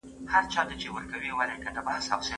همسايه ګان به خبر شي چې ته بهر يې.